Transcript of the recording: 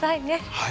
はい。